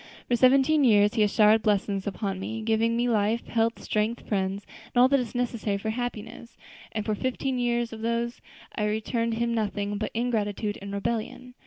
For seventeen years He has showered blessings upon me, giving me life, health, strength, friends, and all that was necessary for happiness; and for fifteen of those years I returned Him nothing but ingratitude and rebellion.